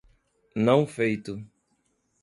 Não feito